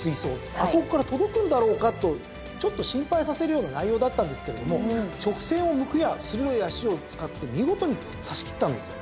あそこから届くんだろうかとちょっと心配させるような内容だったんですけれども直線を向くや鋭い脚を使って見事に差し切ったんです。